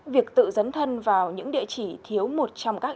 việc tự dấn thân vào những địa chỉ thiếu một trong các địa chỉ